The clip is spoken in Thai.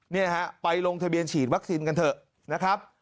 เนี่ยฮะไปลงทะเบียนฉีดวัคซีนกันเถอะนะครับ